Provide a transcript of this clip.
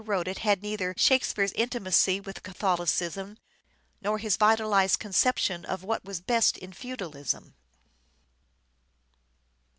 wrote it had neither " Shakespeare's " intimacy with Catholicism nor his vitalized conception of what was best in feudalism.